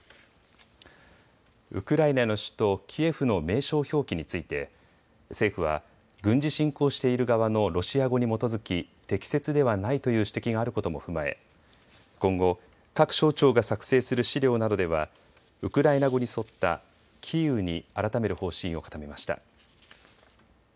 ウクライナの首都キエフの名称表記について政府は、軍事侵攻している側のロシア語に基づき適切ではないという指摘があることも踏まえ、今後、各省庁が作成する資料などではウクライナ語に沿ったキーウに改める方針を固めました。